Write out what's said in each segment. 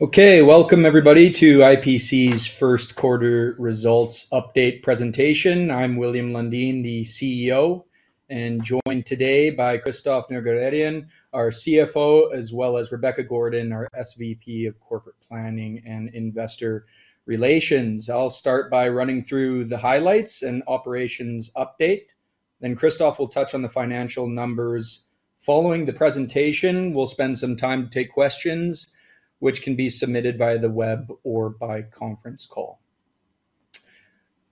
Okay. Welcome everybody to IPC's first quarter results update presentation. I'm William Lundin, the CEO, and joined today by Christophe Nerguararian, our CFO, as well as Rebecca Gordon, our SVP of Corporate Planning and Investor Relations. I'll start by running through the highlights and operations update, then Christophe will touch on the financial numbers. Following the presentation, we'll spend some time to take questions, which can be submitted via the web or by conference call.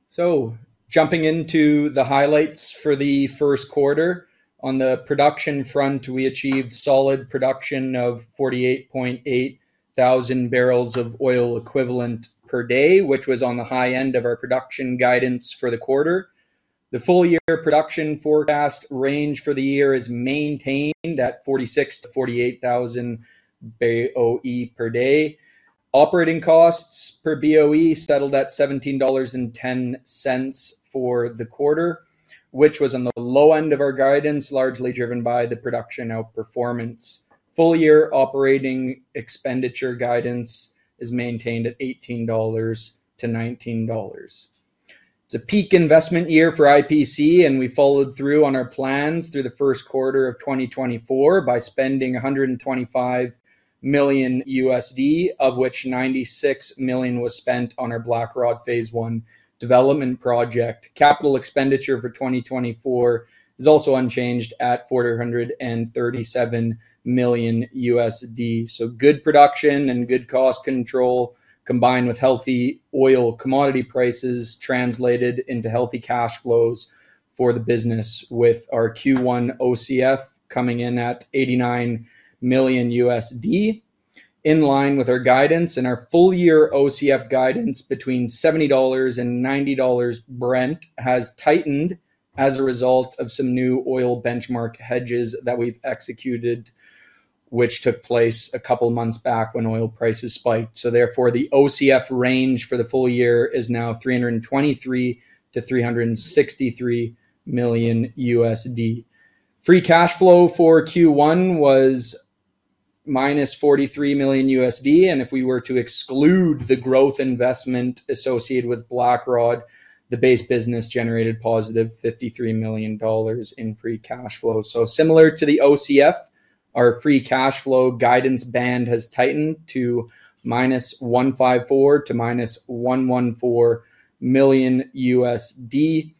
So jumping into the highlights for the first quarter. On the production front, we achieved solid production of 48,800 barrels of oil equivalent per day, which was on the high end of our production guidance for the quarter. The full year production forecast range for the year is maintained at 46,000-48,000 BOE per day. Operating costs per BOE settled at $17.10 for the quarter, which was on the low end of our guidance, largely driven by the production outperformance. Full year operating expenditure guidance is maintained at $18-$19. It's a peak investment year for IPC, and we followed through on our plans through the first quarter of 2024 by spending $125 million, of which $96 million was spent on our Blackrod Phase 1 development project. Capital expenditure for 2024 is also unchanged at $437 million. So good production and good cost control, combined with healthy oil commodity prices, translated into healthy cash flows for the business, with our Q1 OCF coming in at $89 million, in line with our guidance. Our full year OCF guidance between $70-$90 Brent has tightened as a result of some new oil benchmark hedges that we've executed, which took place a couple of months back when oil prices spiked. So therefore, the OCF range for the full year is now $323 million-$363 million. Free cash flow for Q1 was -$43 million, and if we were to exclude the growth investment associated with Blackrod, the base business generated +$53 million in free cash flow. So similar to the OCF, our free cash flow guidance band has tightened to -$154 million to -$114 million.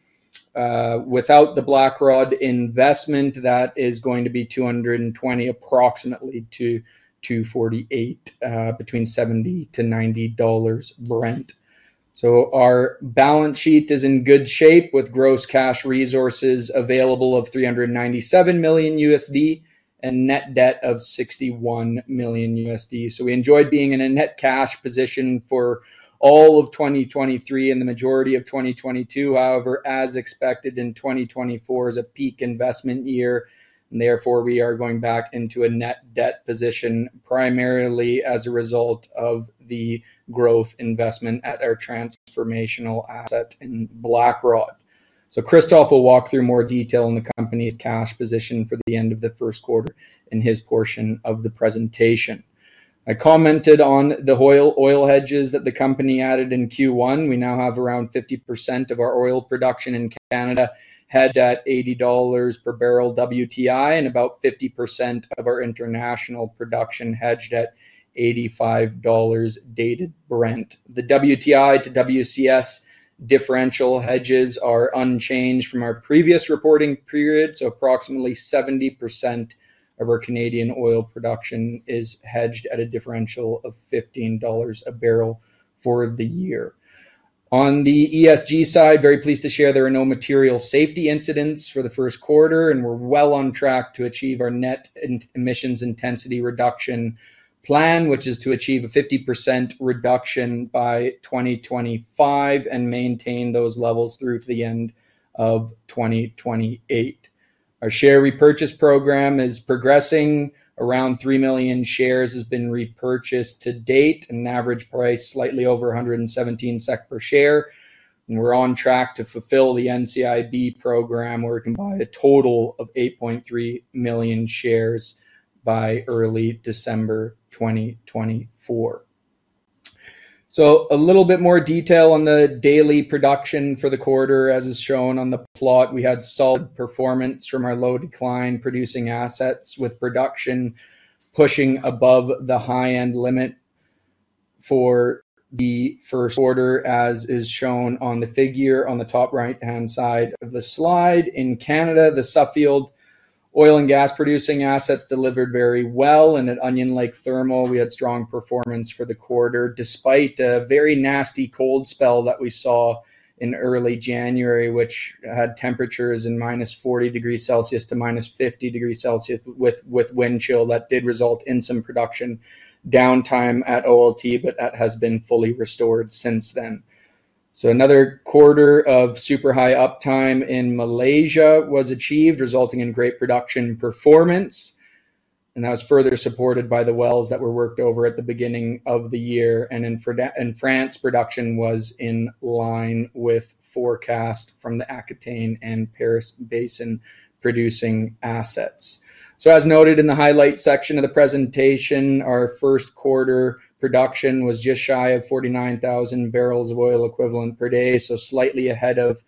Without the Blackrod investment, that is going to be $220 million, approximately, to $248 million between $70-$90 Brent. So our balance sheet is in good shape, with gross cash resources available of $397 million and net debt of $61 million. So we enjoyed being in a net cash position for all of 2023 and the majority of 2022. However, as expected, 2024 is a peak investment year, and therefore we are going back into a net debt position, primarily as a result of the growth investment at our transformational asset in Blackrod. So Christophe will walk through more detail on the company's cash position for the end of the first quarter in his portion of the presentation. I commented on the oil, oil hedges that the company added in Q1. We now have around 50% of our oil production in Canada hedged at $80 per barrel WTI, and about 50% of our international production hedged at $85 Dated Brent. The WTI to WCS differential hedges are unchanged from our previous reporting period, so approximately 70% of our Canadian oil production is hedged at a differential of $15 a barrel for the year. On the ESG side, very pleased to share there are no material safety incidents for the first quarter, and we're well on track to achieve our net emissions intensity reduction plan, which is to achieve a 50% reduction by 2025 and maintain those levels through to the end of 2028. Our share repurchase program is progressing. Around 3 million shares has been repurchased to date, an average price slightly over 117 SEK per share, and we're on track to fulfill the NCIB program, where we can buy a total of 8.3 million shares by early December 2024. So a little bit more detail on the daily production for the quarter. As is shown on the plot, we had solid performance from our low decline producing assets, with production pushing above the high-end limit for the first quarter, as is shown on the figure on the top right-hand side of the slide. In Canada, the Suffield oil and gas producing assets delivered very well, and at Onion Lake Thermal, we had strong performance for the quarter, despite a very nasty cold spell that we saw in early January, which had temperatures in -40 degrees Celsius to -50 degrees Celsius with wind chill. That did result in some production downtime at OLT, but that has been fully restored since then. So another quarter of super high uptime in Malaysia was achieved, resulting in great production performance, and that was further supported by the wells that were worked over at the beginning of the year. And in France, production was in line with forecast from the Aquitaine and Paris Basin producing assets. So as noted in the highlight section of the presentation, our first quarter production was just shy of 49,000 barrels of oil equivalent per day. Slightly ahead of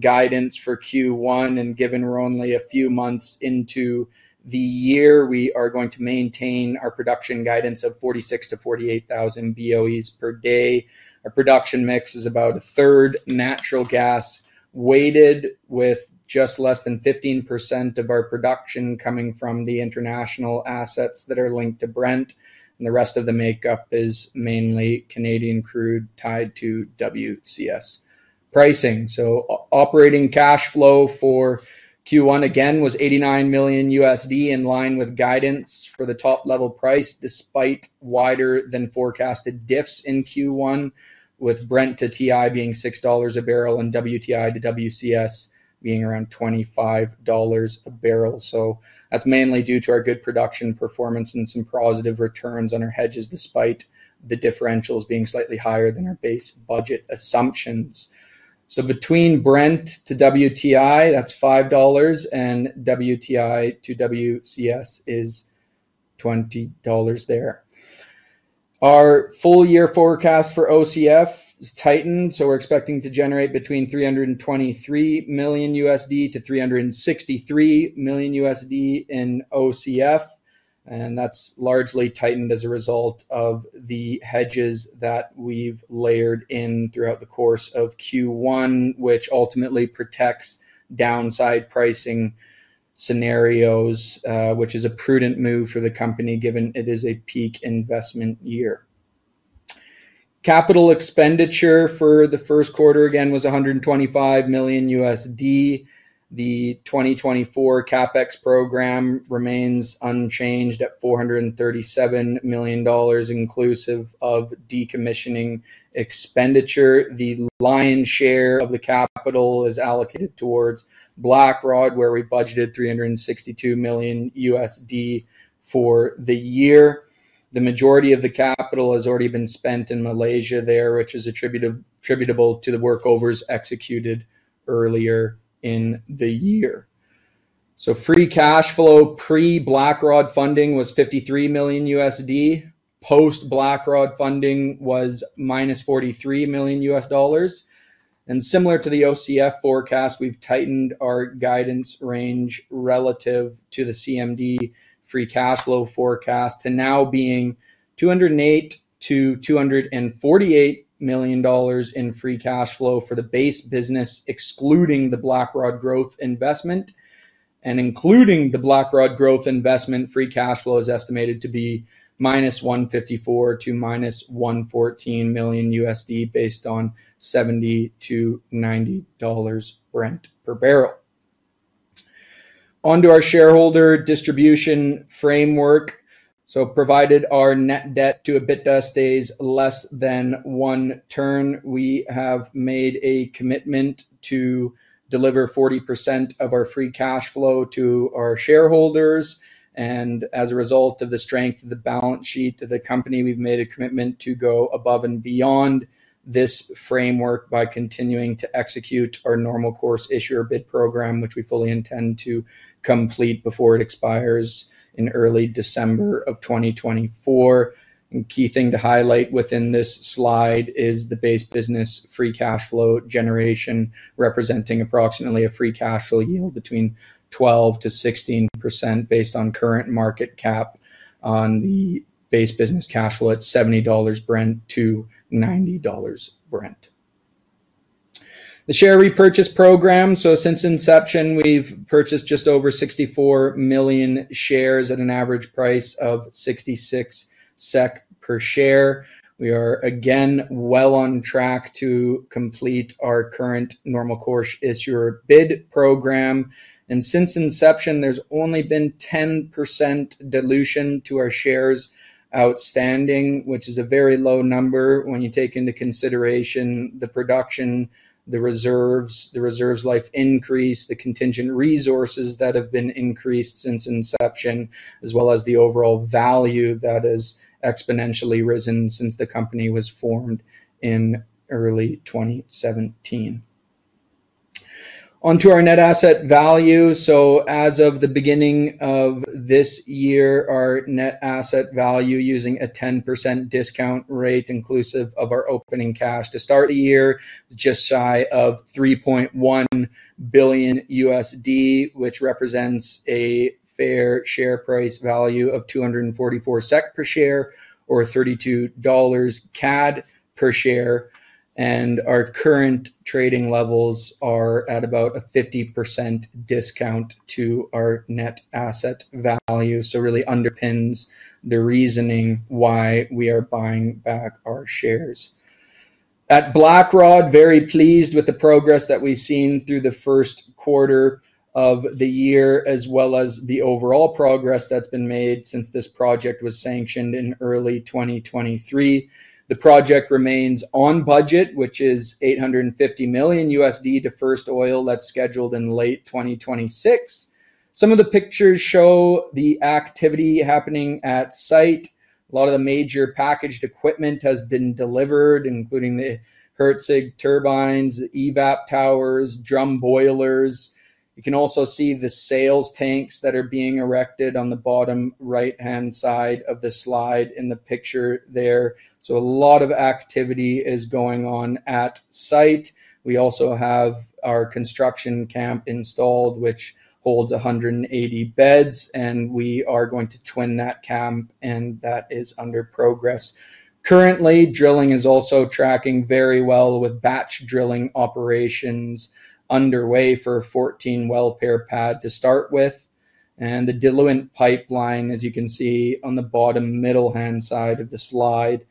guidance for Q1, and given we're only a few months into the year, we are going to maintain our production guidance of 46,000-48,000 BOEs per day. Our production mix is about a third natural gas, weighted with just less than 15% of our production coming from the international assets that are linked to Brent, and the rest of the makeup is mainly Canadian crude tied to WCS pricing. Operating cash flow for Q1, again, was $89 million, in line with guidance for the top-level price, despite wider than forecasted diffs in Q1, with Brent to WTI being $6 a barrel and WTI to WCS being around $25 a barrel. That's mainly due to our good production performance and some positive returns on our hedges, despite the differentials being slightly higher than our base budget assumptions. So between Brent to WTI, that's $5, and WTI to WCS is $20 there. Our full-year forecast for OCF is tightened, so we're expecting to generate between $323 million and $363 million in OCF, and that's largely tightened as a result of the hedges that we've layered in throughout the course of Q1, which ultimately protects downside pricing scenarios, which is a prudent move for the company, given it is a peak investment year. Capital expenditure for the first quarter, again, was $125 million. The 2024 CapEx program remains unchanged at $437 million, inclusive of decommissioning expenditure. The lion's share of the capital is allocated towards Blackrod, where we budgeted $362 million for the year. The majority of the capital has already been spent in Malaysia there, which is attributable to the workovers executed earlier in the year. Free cash flow, pre-Blackrod funding was $53 million. Post-Blackrod funding was -$43 million. Similar to the OCF forecast, we've tightened our guidance range relative to the CMD free cash flow forecast to now being $208 million-$248 million in free cash flow for the base business, excluding the Blackrod growth investment. Including the Blackrod growth investment, free cash flow is estimated to be -$154 million to -$114 million, based on $70-$90 Brent per barrel. On to our shareholder distribution framework. So provided our net debt to EBITDA stays less than one turn, we have made a commitment to deliver 40% of our free cash flow to our shareholders. As a result of the strength of the balance sheet of the company, we've made a commitment to go above and beyond this framework by continuing to execute our normal course issuer bid program, which we fully intend to complete before it expires in early December of 2024. Key thing to highlight within this slide is the base business free cash flow generation, representing approximately a free cash flow yield between 12%-16%, based on current market cap on the base business cash flow at $70-$90 Brent. The share repurchase program. So since inception, we've purchased just over 64 million shares at an average price of 66 SEK per share. We are again well on track to complete our current normal course issuer bid program, and since inception, there's only been 10% dilution to our shares outstanding, which is a very low number when you take into consideration the production, the reserves, the reserves life increase, the contingent resources that have been increased since inception, as well as the overall value that has exponentially risen since the company was formed in early 2017. On to our net asset value. So as of the beginning of this year, our net asset value, using a 10% discount rate, inclusive of our opening cash to start the year, was just shy of $3.1 billion, which represents a fair share price value of 244 SEK per share or 32 CAD per share. Our current trading levels are at about a 50% discount to our net asset value. So really underpins the reasoning why we are buying back our shares. At Blackrod, very pleased with the progress that we've seen through the first quarter of the year, as well as the overall progress that's been made since this project was sanctioned in early 2023. The project remains on budget, which is $850 million to first oil that's scheduled in late 2026. Some of the pictures show the activity happening at site. A lot of the major packaged equipment has been delivered, including the HRSG turbines, EVAP towers, drum boilers. You can also see the sales tanks that are being erected on the bottom right-hand side of the slide in the picture there. So a lot of activity is going on at site. We also have our construction camp installed, which holds 180 beds, and we are going to twin that camp, and that is under progress. Currently, drilling is also tracking very well with batch drilling operations underway for 14 well pair pad to start with, and the diluent pipeline, as you can see on the bottom middle hand side of the slide,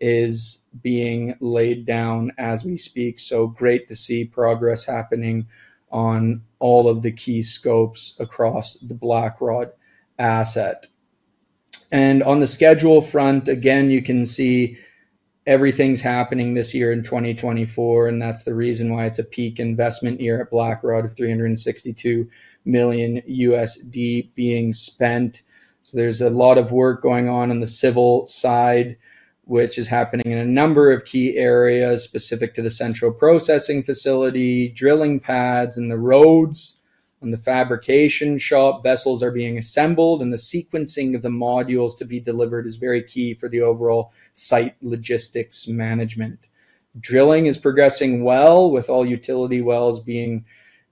is being laid down as we speak. So great to see progress happening on all of the key scopes across the Blackrod asset. And on the schedule front, again, you can see everything's happening this year in 2024, and that's the reason why it's a peak investment year at Blackrod of $362 million being spent. So there's a lot of work going on in the civil side, which is happening in a number of key areas specific to the central processing facility, drilling pads, and the roads. On the fabrication shop, vessels are being assembled, and the sequencing of the modules to be delivered is very key for the overall site logistics management. Drilling is progressing well, with all utility wells being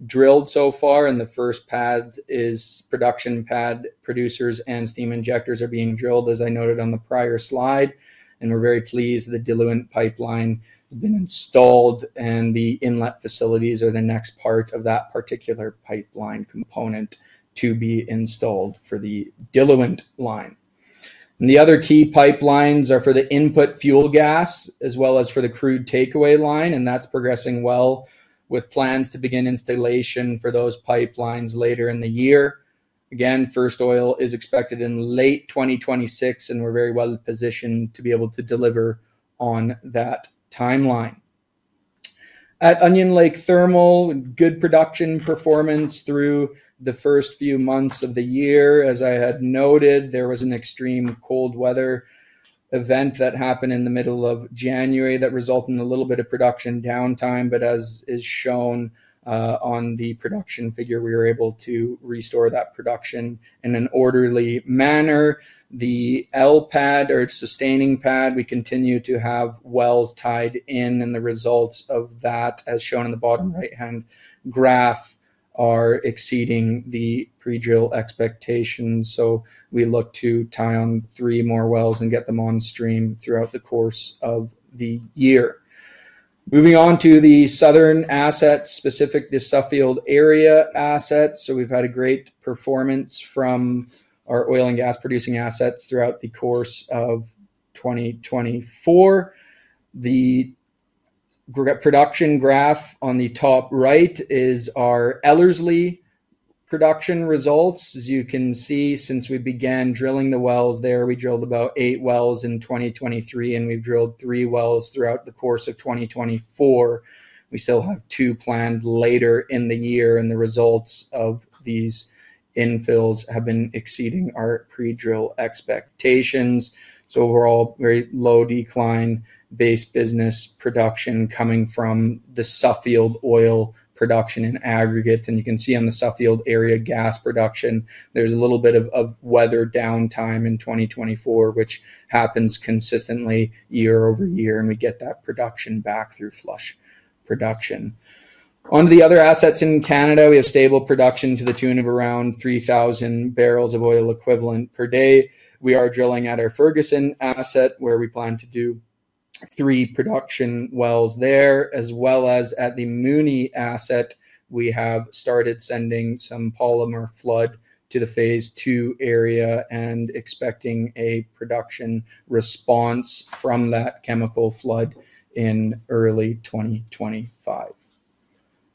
drilled so far, and the first pad is production pad. Producers and steam injectors are being drilled, as I noted on the prior slide, and we're very pleased the diluent pipeline has been installed, and the inlet facilities are the next part of that particular pipeline component to be installed for the diluent line. And the other key pipelines are for the input fuel gas as well as for the crude takeaway line, and that's progressing well with plans to begin installation for those pipelines later in the year. Again, first oil is expected in late 2026, and we're very well positioned to be able to deliver on that timeline. At Onion Lake Thermal, good production performance through the first few months of the year. As I had noted, there was an extreme cold weather event that happened in the middle of January that resulted in a little bit of production downtime, but as is shown, on the production figure, we were able to restore that production in an orderly manner. The L Pad or sustaining pad, we continue to have wells tied in, and the results of that, as shown in the bottom right-hand graph, are exceeding the pre-drill expectations. So we look to tie on three more wells and get them on stream throughout the course of the year. Moving on to the southern assets, specific to Suffield area assets. So we've had a great performance from our oil and gas-producing assets throughout the course of 2024. The production graph on the top right is our Ellerslie production results. As you can see, since we began drilling the wells there, we drilled about 8 wells in 2023, and we've drilled 3 wells throughout the course of 2024. We still have two planned later in the year, and the results of these infills have been exceeding our pre-drill expectations. So overall, very low decline, base business production coming from the Suffield oil production in aggregate. You can see on the Suffield area gas production, there's a little bit of weather downtime in 2024, which happens consistently year-over-year, and we get that production back through flush production. On to the other assets in Canada, we have stable production to the tune of around 3,000 barrels of oil equivalent per day. We are drilling at our Ferguson asset, where we plan to do three production wells there, as well as at the Mooney asset. We have started sending some polymer flood to the phase II area and expecting a production response from that chemical flood in early 2025.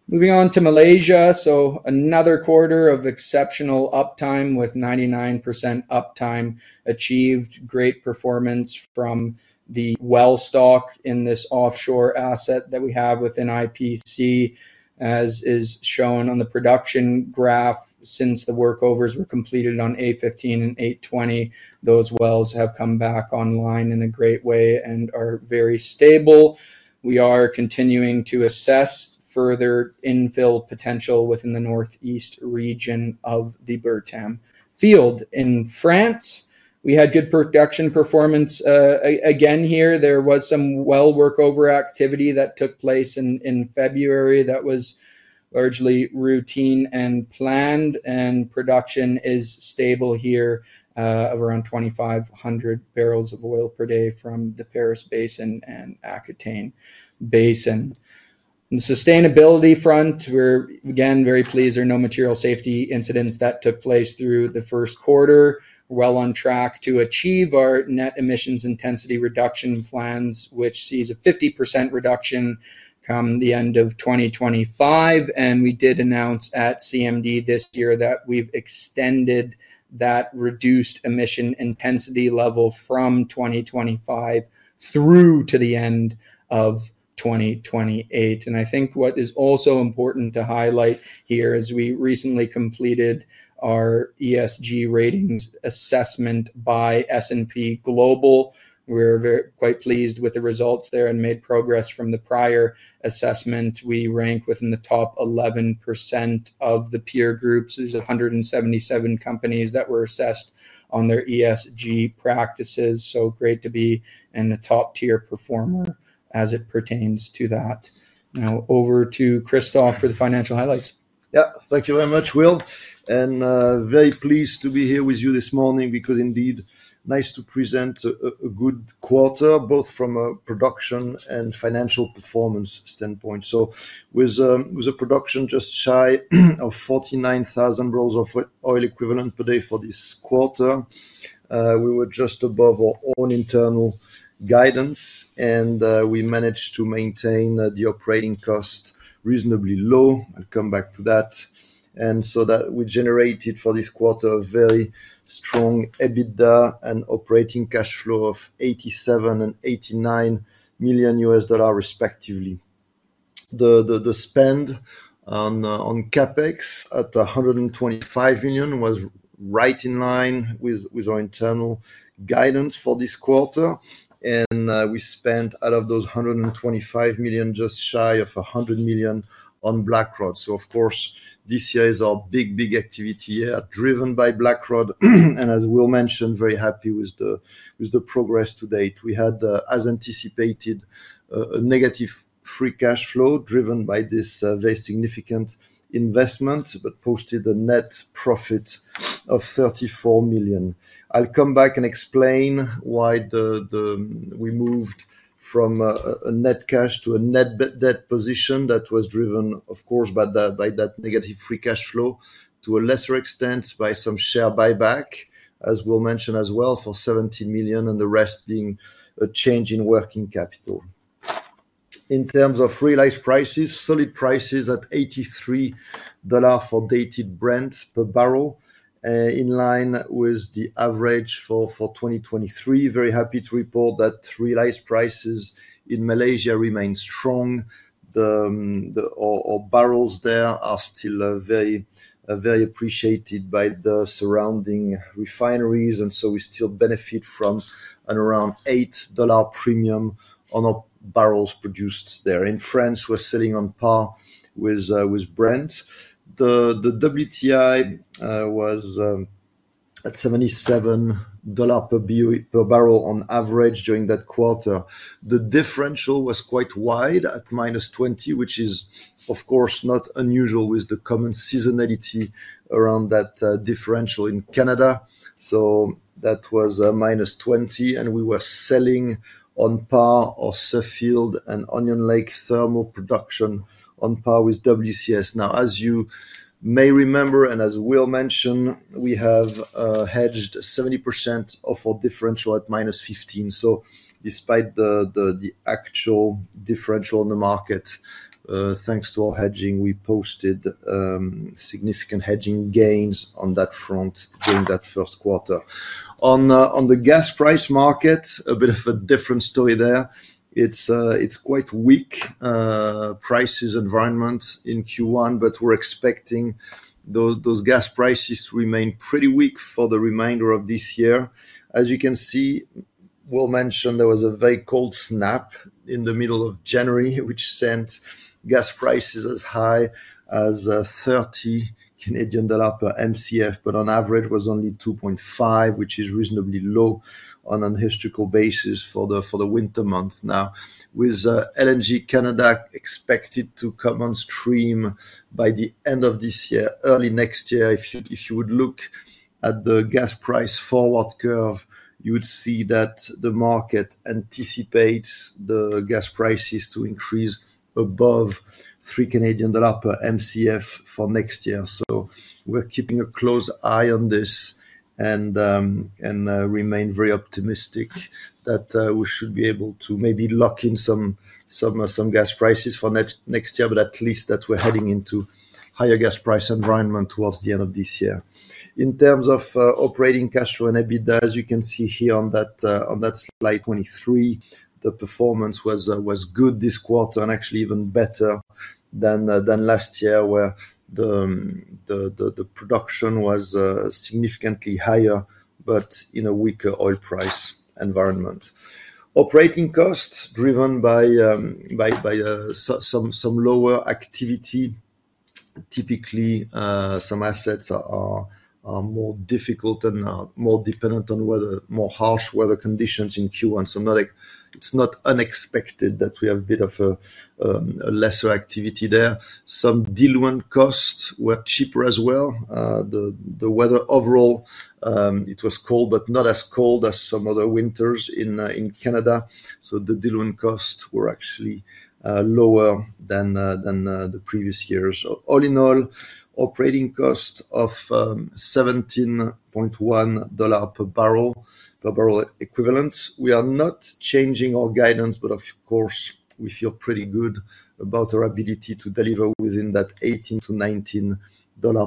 Moving on to Malaysia. So another quarter of exceptional uptime with 99% uptime achieved. Great performance from the well stock in this offshore asset that we have within IPC, as is shown on the production graph. Since the workovers were completed on A15 and A20, those wells have come back online in a great way and are very stable. We are continuing to assess further infill potential within the northeast region of the Bertam Field. In France, we had good production performance. Again, here, there was some well workover activity that took place in February that was largely routine and planned, and production is stable here of around 2,500 barrels of oil per day from the Paris Basin and Aquitaine Basin. On the sustainability front, we're again very pleased there are no material safety incidents that took place through the first quarter. We're well on track to achieve our net emissions intensity reduction plans, which sees a 50% reduction come the end of 2025, and we did announce at CMD this year that we've extended that reduced emission intensity level from 2025 through to the end of 2028. I think what is also important to highlight here, as we recently completed our ESG ratings assessment by S&P Global, we're quite pleased with the results there and made progress from the prior assessment. We rank within the top 11% of the peer groups. There's 177 companies that were assessed on their ESG practices, so great to be in the top-tier performer as it pertains to that. Now, over to Christophe for the financial highlights. Yeah. Thank you very much, Will, and very pleased to be here with you this morning because indeed, nice to present a good quarter, both from a production and financial performance standpoint. So with a production just shy of 49,000 barrels of oil equivalent per day for this quarter, we were just above our own internal guidance, and we managed to maintain the operating cost reasonably low. I'll come back to that. And so that we generated for this quarter a very strong EBITDA and operating cash flow of $87 million and $89 million, respectively. The spend on CapEx at $125 million was right in line with our internal guidance for this quarter. And we spent out of those $125 million, just shy of $100 million on Blackrod. Of course, this year is our big, big activity year, driven by Blackrod. As Will mentioned, very happy with the progress to date. We had, as anticipated, a negative free cash flow driven by this very significant investment, but posted a net profit of $34 million. I'll come back and explain why we moved from a net cash to a net debt position that was driven, of course, by that negative free cash flow, to a lesser extent, by some share buyback, as Will mentioned as well, for $17 million, and the rest being a change in working capital. In terms of realized prices, solid prices at $83 for Dated Brent per barrel, in line with the average for 2023. Very happy to report that realized prices in Malaysia remain strong. The, our barrels there are still very, very appreciated by the surrounding refineries, and so we still benefit from an around $8 premium on our barrels produced there. In France, we're sitting on par with Brent. The WTI was at $77 per barrel on average during that quarter. The differential was quite wide at -$20, which is, of course, not unusual with the common seasonality around that differential in Canada. So that was -$20, and we were selling on par our Suffield and Onion Lake Thermal production on par with WCS. Now, as you may remember, and as Will mentioned, we have hedged 70% of our differential at -$15. So despite the actual differential in the market, thanks to our hedging, we posted significant hedging gains on that front during that first quarter. On, on the gas price market, a bit of a different story there. It's, it's quite weak, prices environment in Q1, but we're expecting those gas prices to remain pretty weak for the remainder of this year. As you can see, Will mentioned there was a very cold snap in the middle of January, which sent gas prices as high as 30 Canadian dollar per Mcf, but on average, was only 2.5, which is reasonably low on an historical basis for the, for the winter months now. With LNG Canada expected to come on stream by the end of this year, early next year, if you would look at the gas price forward curve, you would see that the market anticipates the gas prices to increase above 3 Canadian dollar per Mcf for next year. So we're keeping a close eye on this and remain very optimistic that we should be able to maybe lock in some gas prices for next year, but at least that we're heading into higher gas price environment towards the end of this year. In terms of operating cash flow and EBITDA, as you can see here on that slide 23, the performance was good this quarter and actually even better than last year, where the production was significantly higher, but in a weaker oil price environment. Operating costs, driven by some lower activity, typically some assets are more difficult and are more dependent on weather, more harsh weather conditions in Q1. So not like, it's not unexpected that we have a bit of a lesser activity there. Some diluent costs were cheaper as well. The weather overall, it was cold, but not as cold as some other winters in Canada, so the diluent costs were actually lower than the previous years. So all in all, operating cost of $17.1 per barrel equivalent. We are not changing our guidance, but of course, we feel pretty good about our ability to deliver within that $18-$19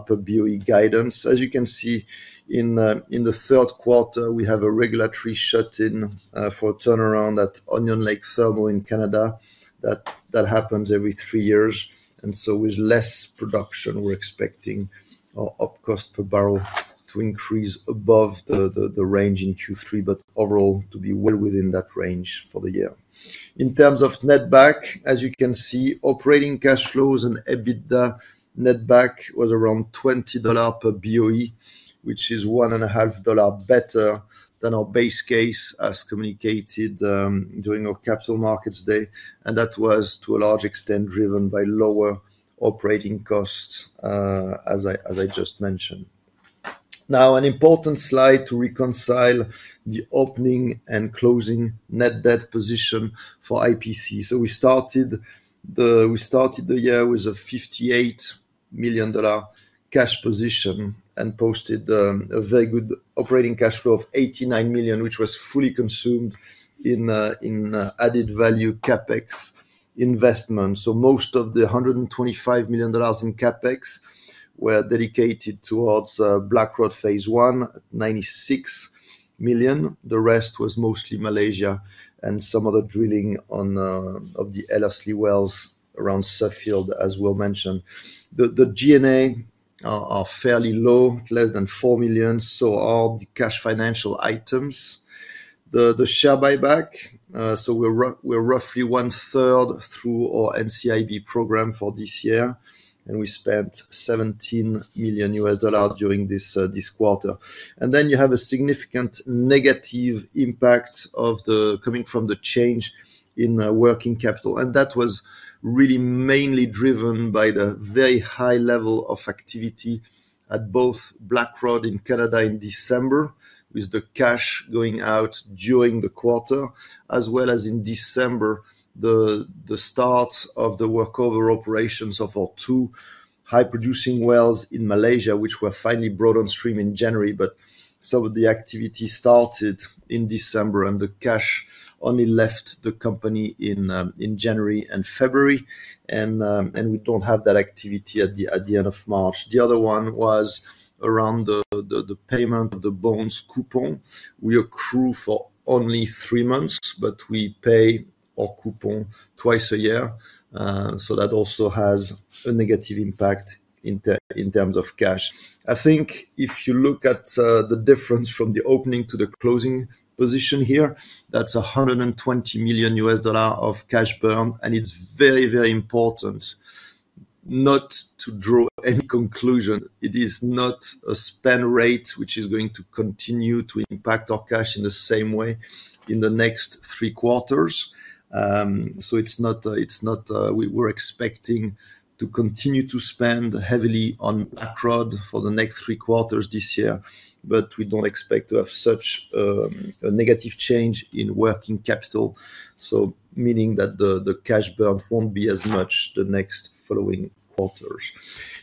per BOE guidance. As you can see, in the third quarter, we have a regulatory shut-in for a turnaround at Onion Lake Thermal in Canada, that happens every three years, and so with less production, we're expecting our operating cost per barrel to increase above the range in Q3, but overall, to be well within that range for the year. In terms of netback, as you can see, operating cash flows and EBITDA netback was around $20 per BOE, which is $1.50 better than our base case, as communicated, during our Capital Markets Day, and that was to a large extent, driven by lower operating costs, as I just mentioned. Now, an important slide to reconcile the opening and closing net debt position for IPC. So we started the year with a $58 million cash position and posted, a very good operating cash flow of $89 million, which was fully consumed in, in, added value CapEx investment. So most of the $125 million in CapEx were dedicated towards, Blackrod Phase 1, $96 million. The rest was mostly Malaysia and some other drilling on of the Ellerslie wells around Suffield, as we mentioned. The, the G&A are, are fairly low, less than $4 million, so are the cash financial items. The, the share buyback, so we're we're roughly one-third through our NCIB program for this year, and we spent $17 million during this quarter. Then you have a significant negative impact of the, coming from the change in working capital. And that was really mainly driven by the very high level of activity at both Blackrod in Canada in December, with the cash going out during the quarter, as well as in December, the, the start of the workover operations of our two high-producing wells in Malaysia, which were finally brought on stream in January. But some of the activity started in December, and the cash only left the company in January and February, and we don't have that activity at the end of March. The other one was around the payment of the bonds coupon. We accrue for only three months, but we pay our coupon twice a year, so that also has a negative impact in terms of cash. I think if you look at the difference from the opening to the closing position here, that's $120 million of cash burn, and it's very, very important not to draw any conclusion. It is not a spend rate, which is going to continue to impact our cash in the same way in the next three quarters. So it's not, it's not, we're expecting to continue to spend heavily on Blackrod for the next three quarters this year, but we don't expect to have such a negative change in working capital, so meaning that the cash burn won't be as much the next following quarters.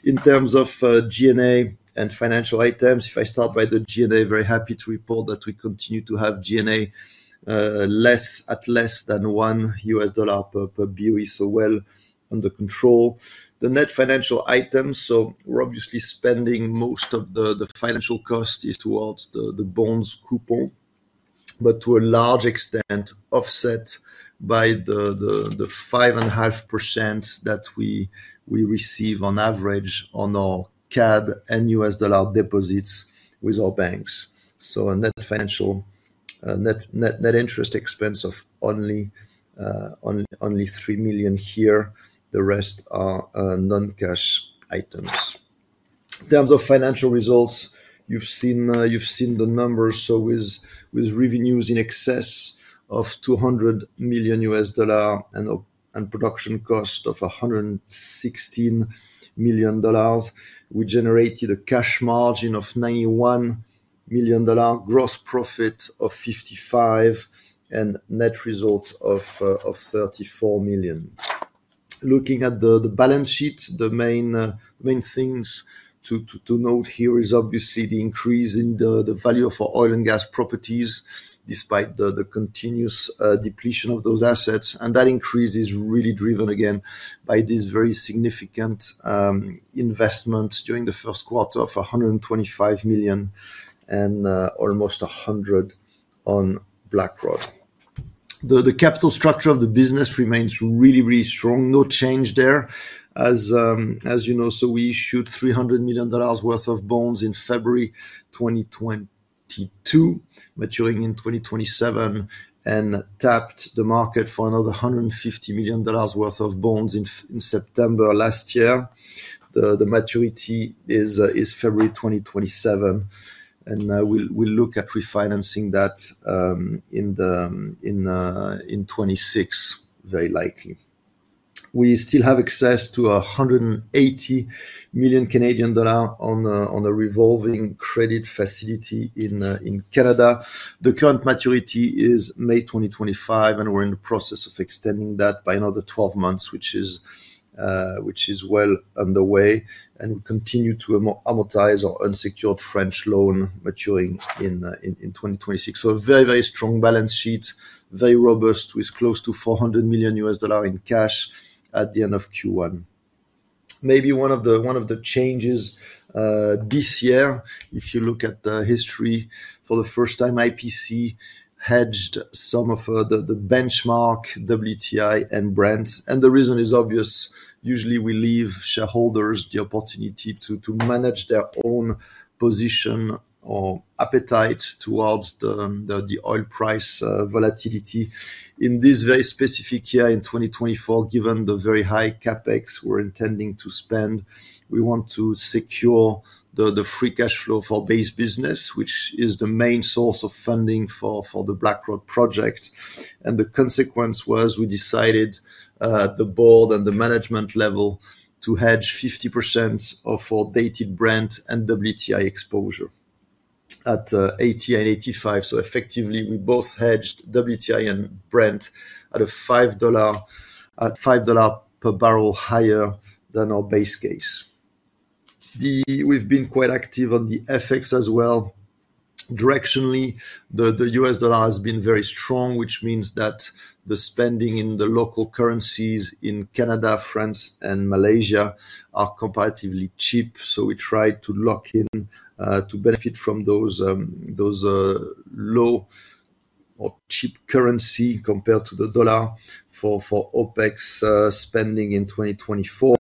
In terms of G&A and financial items, if I start by the G&A, very happy to report that we continue to have G&A less than $1 per BOE, so well under control. The net financial items, so we're obviously spending most of the financial cost towards the bonds coupon, but to a large extent, offset by the 5.5% that we receive on average on our CAD and US dollar deposits with our banks. A net financial net interest expense of only three million here. The rest are non-cash items. In terms of financial results, you've seen the numbers, so with revenues in excess of $200 million and production cost of $116 million, we generated a cash margin of $91 million, gross profit of $55 million, and net result of $34 million. Looking at the balance sheet, the main things to note here is obviously the increase in the value of our oil and gas properties, despite the continuous depletion of those assets, and that increase is really driven, again, by this very significant investment during the first quarter of $125 million and almost $100 million on Blackrod. The capital structure of the business remains really, really strong. No change there as you know, so we issued $300 million worth of bonds in February 2022, maturing in 2027, and tapped the market for another $150 million worth of bonds in September last year. The maturity is February 2027, and we'll look at refinancing that in 2026, very likely. We still have access to 180 million Canadian dollars on a revolving credit facility in Canada. The current maturity is May 2025, and we're in the process of extending that by another 12 months, which is well underway, and we continue to amortize our unsecured French loan maturing in 2026. So a very, very strong balance sheet, very robust, with close to $400 million in cash at the end of Q1. Maybe one of the changes this year, if you look at the history, for the first time, IPC hedged some of the benchmark, WTI and Brent. The reason is obvious. Usually, we leave shareholders the opportunity to manage their own position or appetite towards the oil price volatility. In this very specific year, in 2024, given the very high CapEx we're intending to spend, we want to secure the free cash flow for base business, which is the main source of funding for the Blackrod project. The consequence was we decided, at the Board and the management level, to hedge 50% of our Dated Brent and WTI exposure at $80 and $85. So effectively, we both hedged WTI and Brent at a $5 per barrel higher than our base case. We've been quite active on the FX as well. Directionally, the US dollar has been very strong, which means that the spending in the local currencies in Canada, France, and Malaysia are comparatively cheap. So we tried to lock in, to benefit from those, low or cheap currency compared to the dollar for, OpEx spending in 2024.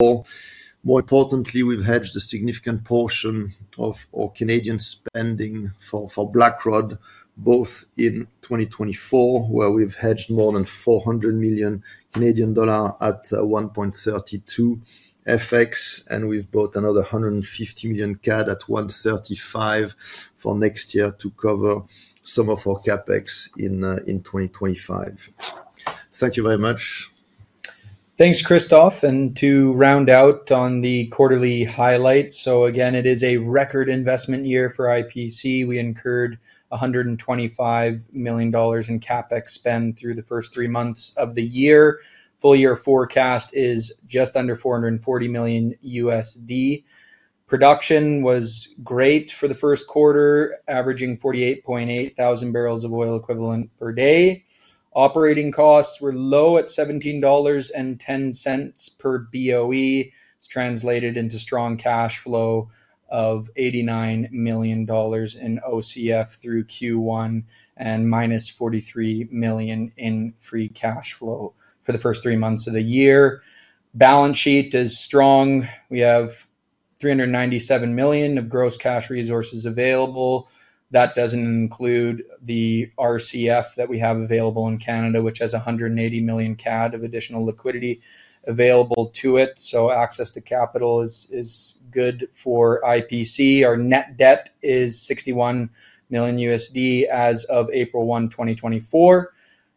More importantly, we've hedged a significant portion of our Canadian spending for Blackrod, both in 2024, where we've hedged more than 400 million Canadian dollar at 1.32 FX, and we've bought another 150 million CAD at 1.35 for next year to cover some of our CapEx in 2025. Thank you very much. Thanks, Christophe. To round out on the quarterly highlights, so again, it is a record investment year for IPC. We incurred $125 million in CapEx spend through the first three months of the year. Full year forecast is just under $440 million. Production was great for the first quarter, averaging 48,800 barrels of oil equivalent per day. Operating costs were low at $17.10 per BOE. It's translated into strong cash flow of $89 million in OCF through Q1 and -$43 million in free cash flow for the first three months of the year. Balance sheet is strong. We have 397 million of gross cash resources available. That doesn't include the RCF that we have available in Canada, which has 180 million CAD of additional liquidity available to it, so access to capital is good for IPC. Our net debt is $61 million as of April 1, 2024.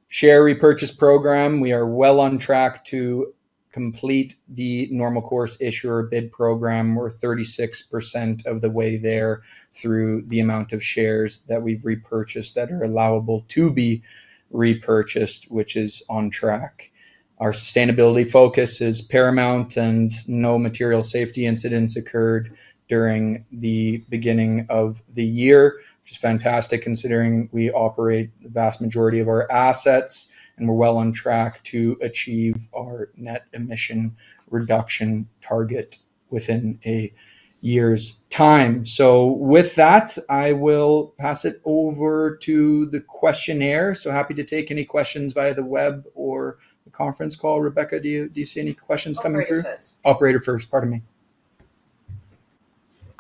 Share repurchase program, we are well on track to complete the normal course issuer bid program. We're 36% of the way there through the amount of shares that we've repurchased that are allowable to be repurchased, which is on track. Our sustainability focus is paramount, and no material safety incidents occurred during the beginning of the year, which is fantastic, considering we operate the vast majority of our assets, and we're well on track to achieve our net emission reduction target within a year's time. So with that, I will pass it over to the Q&A. So happy to take any questions via the web or the conference call. Rebecca, do you, do you see any questions coming through? Operator first. Operator first. Pardon me.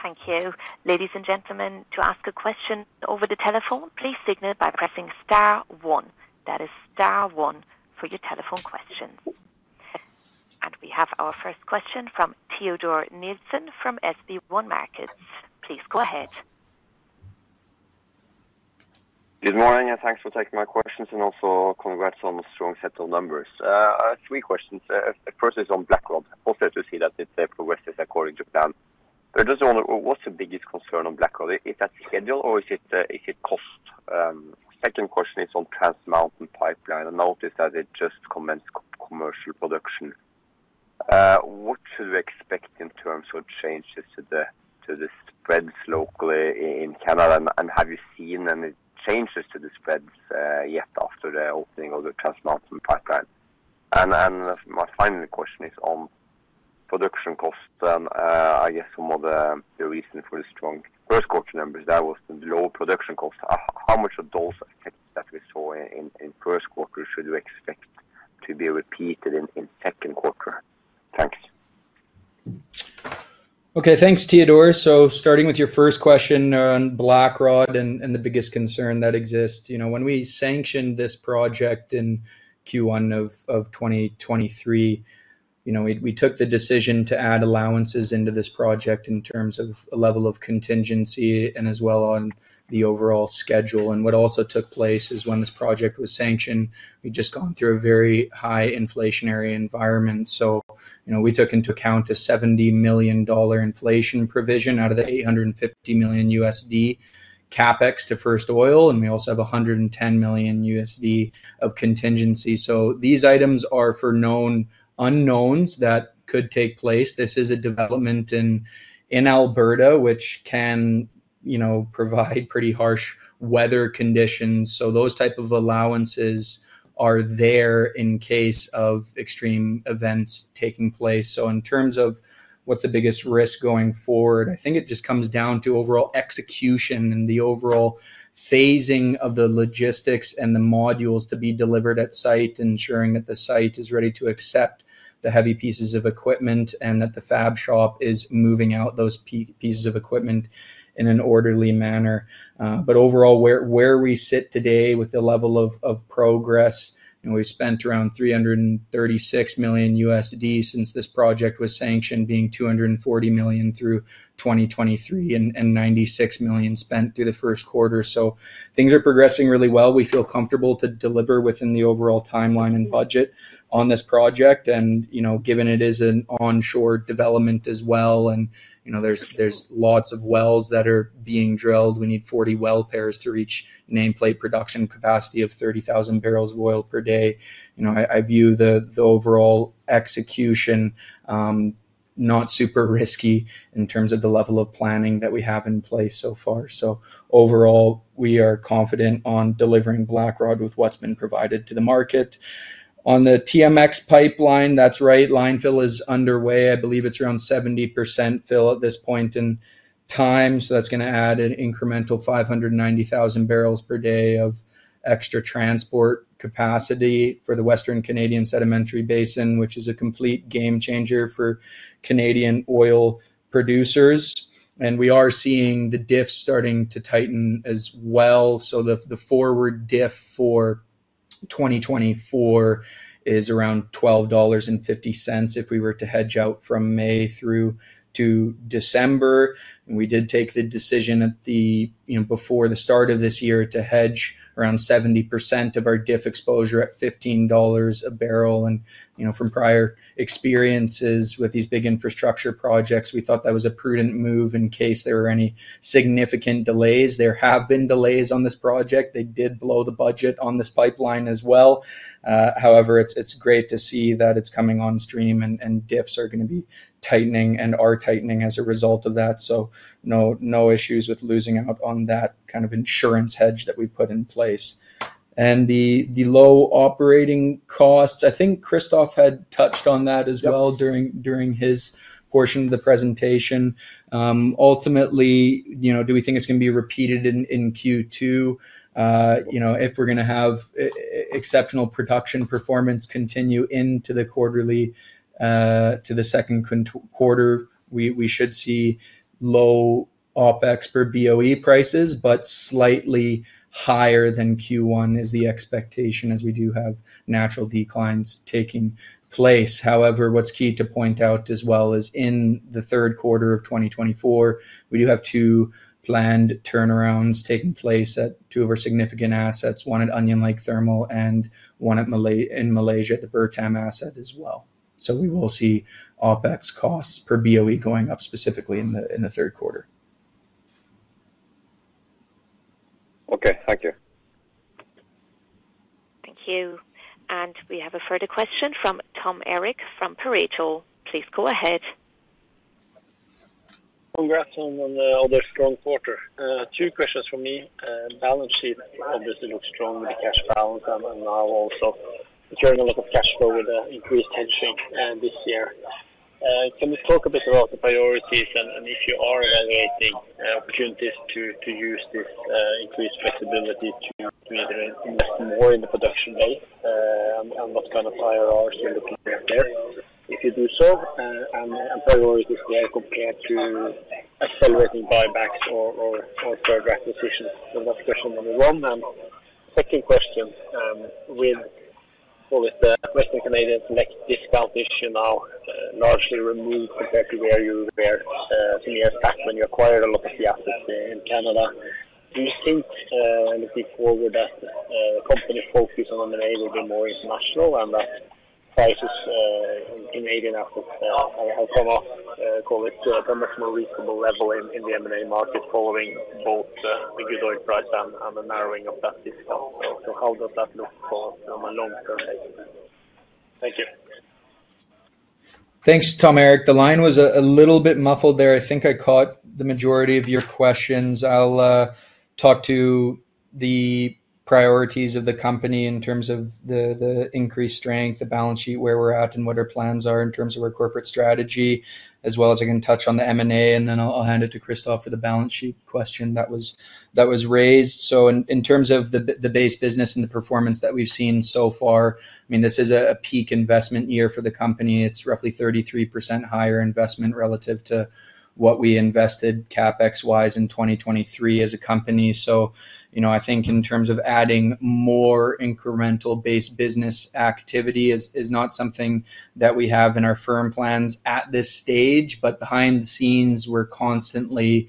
Thank you. Ladies and gentlemen, to ask a question over the telephone, please signal by pressing star one. That is star one for your telephone questions. We have our first question from Teodor Sveen-Nilsen from SB1 Markets. Please go ahead. Good morning, and thanks for taking my questions, and also congrats on the strong set of numbers. I have three questions. The first is on Blackrod, also to see that it progresses according to plan. I just wonder, what's the biggest concern on Blackrod? Is it the schedule, or is it cost? Second question is on Trans Mountain Pipeline. I noticed that it just commenced commercial production. What should we expect in terms of changes to the spreads locally in Canada? And have you seen any changes to the spreads yet after the opening of the Trans Mountain Pipeline? And my final question is on production costs. I guess some of the reason for the strong first quarter numbers, that was the low production costs. How much of those effects that we saw in the first quarter should we expect to be repeated in the second quarter? Thanks. Okay, thanks, Teodor. So starting with your first question on Blackrod and the biggest concern that exists. You know, when we sanctioned this project in Q1 of 2023, you know, we took the decision to add allowances into this project in terms of a level of contingency and as well on the overall schedule. And what also took place is when this project was sanctioned, we'd just gone through a very high inflationary environment. So, you know, we took into account a $70 million inflation provision out of the $850 million CapEx to first oil, and we also have a $110 million of contingency. So these items are for known unknowns that could take place. This is a development in Alberta, which can, you know, provide pretty harsh weather conditions. So those type of allowances are there in case of extreme events taking place. So in terms of what's the biggest risk going forward, I think it just comes down to overall execution and the overall phasing of the logistics and the modules to be delivered at site, ensuring that the site is ready to accept the heavy pieces of equipment, and that the fab shop is moving out those pieces of equipment in an orderly manner. But overall, where we sit today with the level of progress, and we've spent around $336 million since this project was sanctioned, being $240 million through 2023, and $96 million spent through the first quarter. So things are progressing really well. We feel comfortable to deliver within the overall timeline and budget on this project, and, you know, given it is an onshore development as well, and, you know, there's lots of wells that are being drilled. We need 40 well pairs to reach nameplate production capacity of 30,000 barrels of oil per day. You know, I view the overall execution not super risky in terms of the level of planning that we have in place so far. So overall, we are confident on delivering Blackrod with what's been provided to the market. On the TMX pipeline, that's right, line fill is underway. I believe it's around 70% fill at this point in time, so that's gonna add an incremental 590,000 barrels per day of extra transport capacity for the Western Canadian Sedimentary Basin, which is a complete game changer for Canadian oil producers. And we are seeing the diff starting to tighten as well. So the, the forward diff for 2024 is around $12.50 if we were to hedge out from May through to December. And we did take the decision at the, you know, before the start of this year, to hedge around 70% of our diff exposure at $15 a barrel. And, you know, from prior experiences with these big infrastructure projects, we thought that was a prudent move in case there were any significant delays. There have been delays on this project. They did blow the budget on this pipeline as well. However, it's great to see that it's coming on stream, and diffs are gonna be tightening and are tightening as a result of that. So no issues with losing out on that kind of insurance hedge that we put in place. And the low operating costs, I think Christophe had touched on that as well- Yep. During his portion of the presentation. Ultimately, you know, do we think it's gonna be repeated in Q2? You know, if we're gonna have exceptional production performance continue into the quarterly, to the second quarter, we should see low OpEx per BOE prices, but slightly higher than Q1 is the expectation, as we do have natural declines taking place. However, what's key to point out as well is in the third quarter of 2024, we do have two planned turnarounds taking place at two of our significant assets, one at Onion Lake Thermal and one in Malaysia, at the Bertam asset as well. So we will see OpEx costs per BOE going up, specifically in the third quarter. Okay. Thank you. Thank you. And we have a further question from Tom Erik from Pareto. Please go ahead. Congrats on the strong quarter. Two questions from me. Balance sheet obviously looks strong with the cash balance, and now also generating a lot of cash flow with the increased hedging this year. Can you talk a bit about the priorities and if you are evaluating opportunities to use this increased flexibility to either invest more in the production base, and what kind of IRRs you're looking at there? If you do so, and priorities there compared to accelerating buybacks or further acquisitions. So that's question number one. And second question, with, well, with the Western Canadian Select discount issue now largely removed compared to where you were some years back when you acquired a lot of the assets in Canada, do you think looking forward that company's focus on M&A will be more international, and that prices in Canadian assets have come up call it to a much more reasonable level in the M&A market following both the good oil price and the narrowing of that discount? So how does that look for from a long-term perspective? Thank you. Thanks, Tom Erik. The line was a little bit muffled there. I think I caught the majority of your questions. I'll talk to the priorities of the company in terms of the increased strength, the balance sheet, where we're at, and what our plans are in terms of our corporate strategy, as well as I can touch on the M&A, and then I'll hand it to Christophe for the balance sheet question that was raised. So in terms of the base business and the performance that we've seen so far, I mean, this is a peak investment year for the company. It's roughly 33% higher investment relative to what we invested CapEx-wise in 2023 as a company. So, you know, I think in terms of adding more incremental base business activity is not something that we have in our firm plans at this stage. But behind the scenes, we're constantly,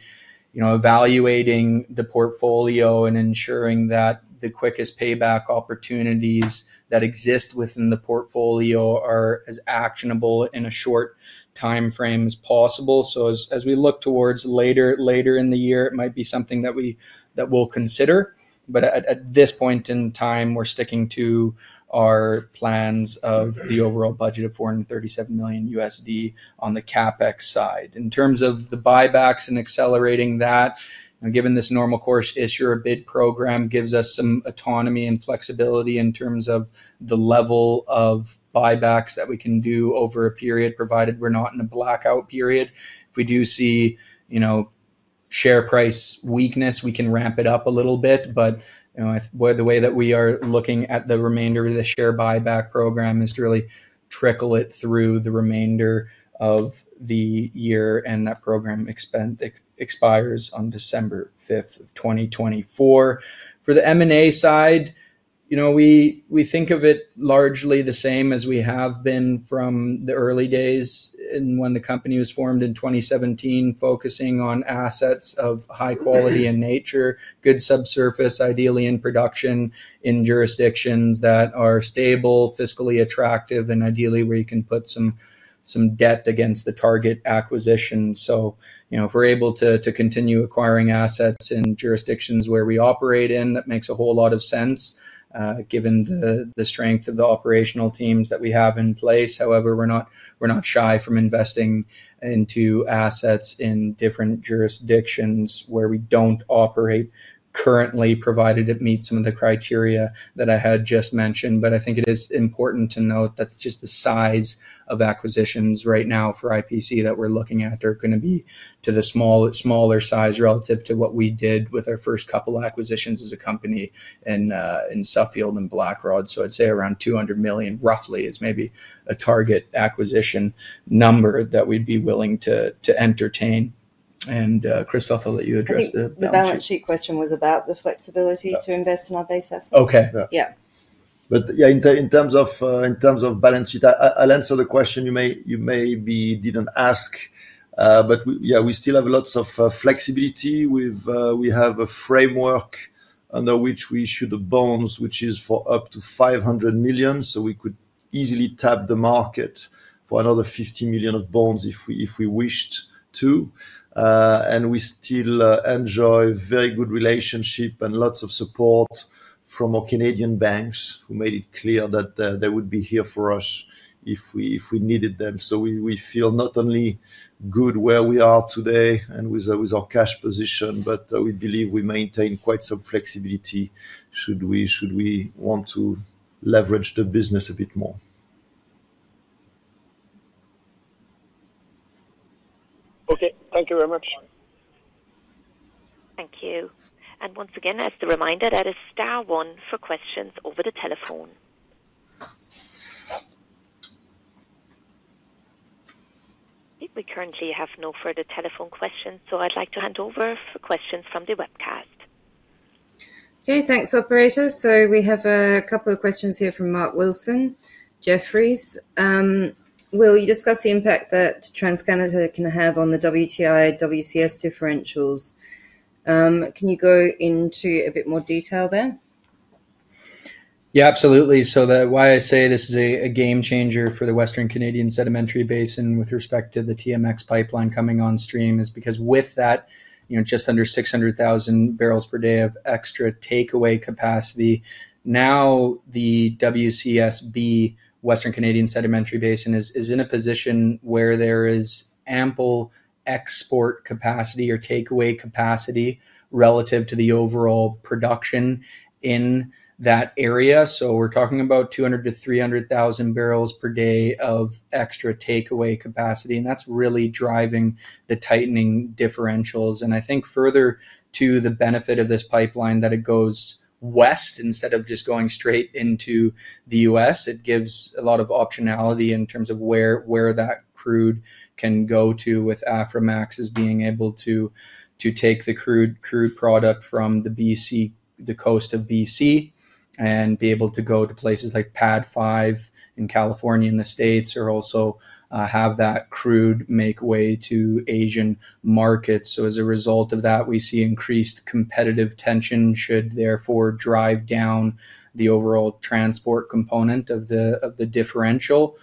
you know, evaluating the portfolio and ensuring that the quickest payback opportunities that exist within the portfolio are as actionable in a short timeframe as possible. So as we look towards later in the year, it might be something that we'll consider, but at this point in time, we're sticking to our plans of the overall budget of $437 million on the CapEx side. In terms of the buybacks and accelerating that, given this normal course issuer bid program gives us some autonomy and flexibility in terms of the level of buybacks that we can do over a period, provided we're not in a blackout period. If we do see, you know, share price weakness, we can ramp it up a little bit, but, you know, with the way that we are looking at the remainder of the share buyback program is to really trickle it through the remainder of the year, and that program expires on December 5th, 2024. For the M&A side, you know, we think of it largely the same as we have been from the early days in when the company was formed in 2017, focusing on assets of high quality and nature, good subsurface, ideally in production, in jurisdictions that are stable, fiscally attractive, and ideally, where you can put some, some debt against the target acquisition. So, you know, if we're able to continue acquiring assets in jurisdictions where we operate in, that makes a whole lot of sense, given the strength of the operational teams that we have in place. However, we're not shy from investing into assets in different jurisdictions where we don't operate currently, provided it meets some of the criteria that I had just mentioned. But I think it is important to note that just the size of acquisitions right now for IPC that we're looking at are gonna be to the small, smaller size relative to what we did with our first couple acquisitions as a company in Suffield and Blackrod. So I'd say around $200 million, roughly, is maybe a target acquisition number that we'd be willing to entertain. And, Christophe, I'll let you address the balance sheet. I think the balance sheet question was about the flexibility to invest in our base assets. Okay. Yeah. But, yeah, in terms of balance sheet, I'll answer the question you may, you maybe didn't ask, but, yeah, we still have lots of flexibility with, we have a framework under which we issue the bonds, which is for up to $500 million, so we could easily tap the market for another $50 million of bonds if we, if we wished to. And we still enjoy very good relationship and lots of support from our Canadian banks, who made it clear that they would be here for us if we, if we needed them. So we feel not only good where we are today and with our cash position, but we believe we maintain quite some flexibility, should we, should we want to leverage the business a bit more. Okay. Thank you very much. Thank you. And once again, as the reminder, that is star one for questions over the telephone. I think we currently have no further telephone questions, so I'd like to hand over for questions from the webcast. Okay, thanks, operator. So we have a couple of questions here from Mark Wilson, Jefferies. Will you discuss the impact that Trans Mountain can have on the WTI, WCS differentials? Can you go into a bit more detail there? Yeah, absolutely. So why I say this is a game changer for the Western Canadian Sedimentary Basin with respect to the TMX pipeline coming on stream is because with that, you know, just under 600,000 barrels per day of extra takeaway capacity. Now, the WCSB, Western Canadian Sedimentary Basin, is in a position where there is ample export capacity or takeaway capacity relative to the overall production in that area. So we're talking about 200,000-300,000 barrels per day of extra takeaway capacity, and that's really driving the tightening differentials. And I think further to the benefit of this pipeline, that it goes west instead of just going straight into the US, it gives a lot of optionality in terms of where that crude can go to, with Aframax as being able to, to take the crude, crude product from the BC, the coast of BC, and be able to go to places like PADD 5 in California, in the States, or also, have that crude make way to Asian markets. So as a result of that, we see increased competitive tension, should therefore drive down the overall transport component of the, of the differential.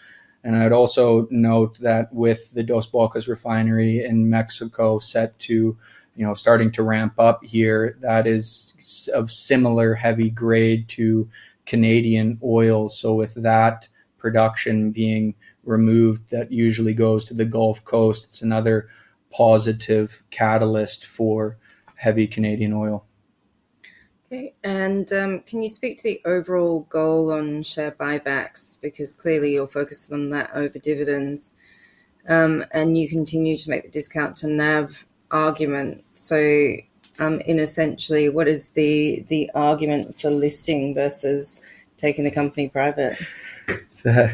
And I'd also note that with the Dos Bocas refinery in Mexico set to, you know, starting to ramp up here, that is of similar heavy grade to Canadian oil. So with that production being removed, that usually goes to the Gulf Coast. It's another positive catalyst for heavy Canadian oil. Okay, and, can you speak to the overall goal on share buybacks? Because clearly you're focused on that over dividends, and you continue to make the discount to NAV argument. So, in essentially, what is the argument for listing versus taking the company private? So,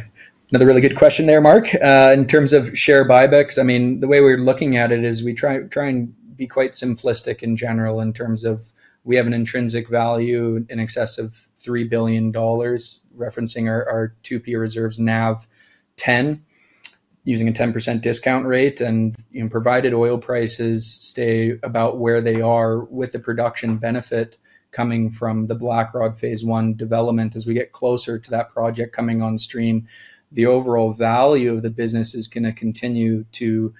another really good question there, Mark. In terms of share buybacks, I mean, the way we're looking at it is we try and be quite simplistic in general in terms of we have an intrinsic value in excess of $3 billion, referencing our 2P reserves NAV 10, using a 10% discount rate. You know, provided oil prices stay about where they are with the production benefit coming from the Blackrod Phase 1 development. As we get closer to that project coming on stream, the overall value of the business is gonna continue to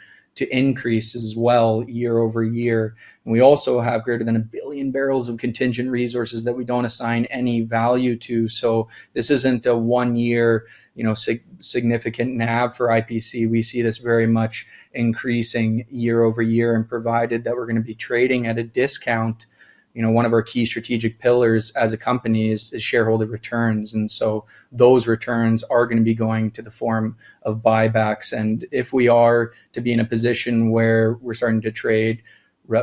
increase as well year-over-year. We also have greater than 1 billion barrels of contingent resources that we don't assign any value to, so this isn't a one-year, you know, significant NAV for IPC. We see this very much increasing year-over-year, and provided that we're gonna be trading at a discount. You know, one of our key strategic pillars as a company is the shareholder returns, and so those returns are gonna be going to the form of buybacks. And if we are to be in a position where we're starting to trade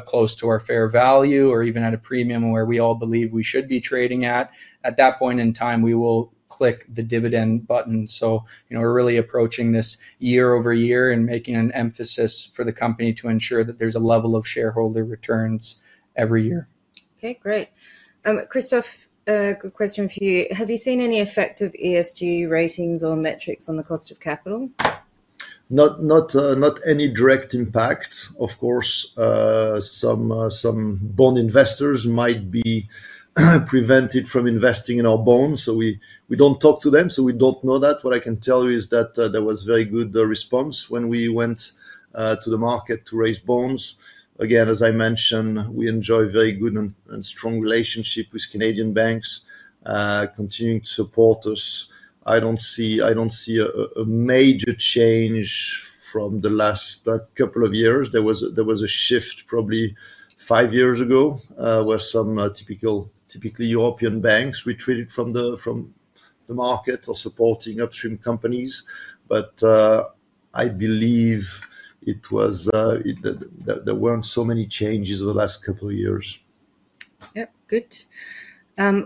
close to our fair value or even at a premium where we all believe we should be trading at, at that point in time, we will click the dividend button. So, you know, we're really approaching this year-over-year and making an emphasis for the company to ensure that there's a level of shareholder returns every year. Okay, great. Christophe, a good question for you. Have you seen any effect of ESG ratings or metrics on the cost of capital? Not any direct impact. Of course, some bond investors might be prevented from investing in our bonds, so we don't talk to them, so we don't know that. What I can tell you is that there was very good response when we went to the market to raise bonds. Again, as I mentioned, we enjoy very good and strong relationship with Canadian banks continuing to support us. I don't see a major change from the last couple of years. There was a shift probably five years ago where some typical European banks retreated from the market or supporting upstream companies. But I believe it was. There weren't so many changes over the last couple of years. Yep, good.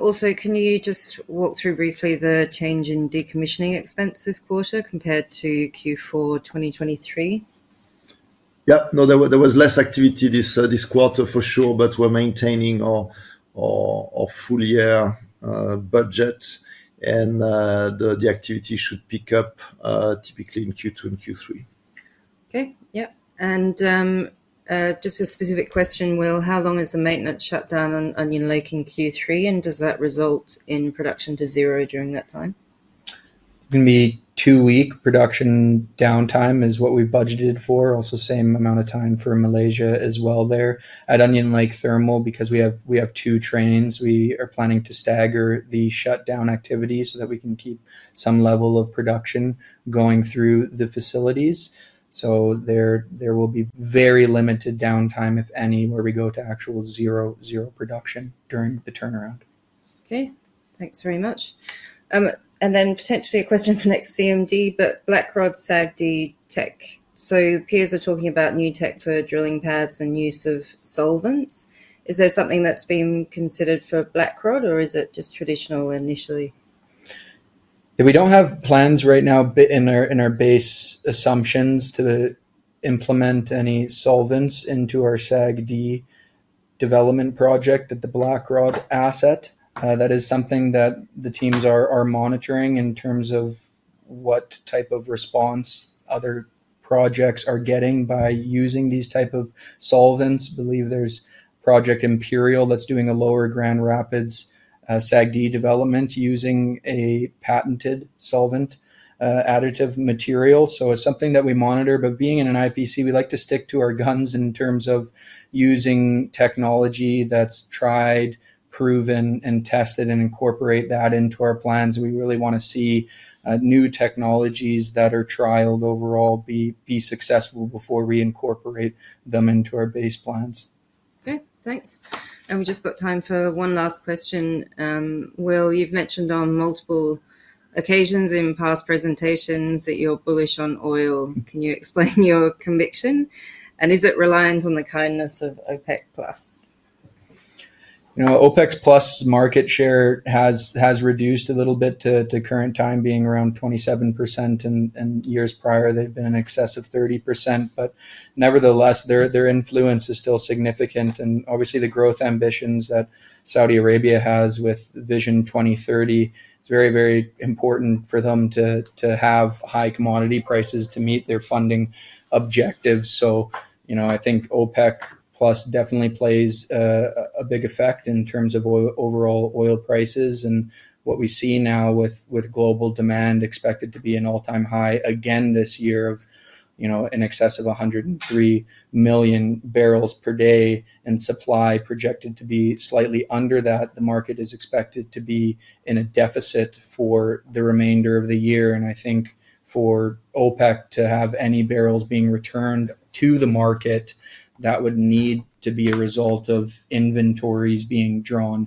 Also, can you just walk through briefly the change in decommissioning expense this quarter compared to Q4, 2023? Yeah. No, there was less activity this quarter for sure, but we're maintaining our full year budget, and the activity should pick up typically in Q2 and Q3. Okay. Yeah, and, just a specific question, Will. How long is the maintenance shutdown on Onion Lake in Q3, and does that result in production to zero during that time? It's gonna be two-week production downtime, is what we budgeted for. Also, same amount of time for Malaysia as well there. At Onion Lake Thermal, because we have, we have two trains, we are planning to stagger the shutdown activities so that we can keep some level of production going through the facilities. So there, there will be very limited downtime, if any, where we go to actual zero, zero production during the turnaround. Okay, thanks very much. And then potentially a question for next CMD, but Blackrod SAGD tech. So peers are talking about new tech for drilling pads and use of solvents. Is there something that's been considered for Blackrod, or is it just traditional initially? We don't have plans right now in our base assumptions to implement any solvents into our SAGD development project at the Blackrod asset. That is something that the teams are monitoring in terms of what type of response other projects are getting by using these type of solvents. I believe there's Project Imperial that's doing a Lower Grand Rapids SAGD development using a patented solvent additive material. So it's something that we monitor, but being in an IPC, we like to stick to our guns in terms of using technology that's tried, proven, and tested, and incorporate that into our plans. We really wanna see new technologies that are trialed overall be successful before we incorporate them into our base plans. Okay, thanks. And we've just got time for one last question. Will, you've mentioned on multiple occasions in past presentations that you're bullish on oil. Can you explain your conviction, and is it reliant on the kindness of OPEC+? You know, OPEC+'s market share has reduced a little bit to current time, being around 27%, and years prior, they've been in excess of 30%. But nevertheless, their influence is still significant. And obviously, the growth ambitions that Saudi Arabia has with Vision 2030, it's very, very important for them to have high commodity prices to meet their funding objectives. So, you know, I think OPEC+ definitely plays a big effect in terms of overall oil prices. And what we see now with global demand expected to be an all-time high again this year of, you know, in excess of 103 million barrels per day, and supply projected to be slightly under that, the market is expected to be in a deficit for the remainder of the year. I think for OPEC to have any barrels being returned to the market, that would need to be a result of inventories being drawn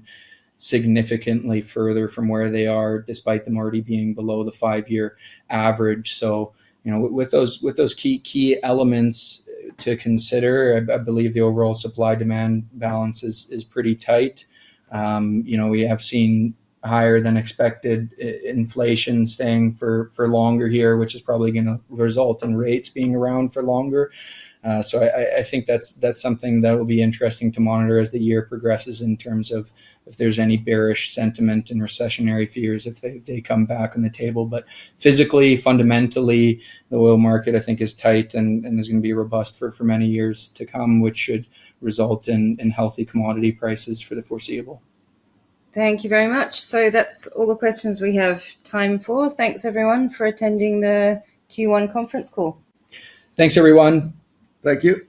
significantly further from where they are, despite them already being below the five-year average. So, you know, with those key elements to consider, I believe the overall supply-demand balance is pretty tight. You know, we have seen higher than expected inflation staying for longer here, which is probably gonna result in rates being around for longer. So I think that's something that will be interesting to monitor as the year progresses in terms of if there's any bearish sentiment and recessionary fears, if they come back on the table. But physically, fundamentally, the oil market, I think, is tight and is gonna be robust for many years to come, which should result in healthy commodity prices for the foreseeable. Thank you very much. That's all the questions we have time for. Thanks, everyone, for attending the Q1 conference call. Thanks, everyone. Thank you.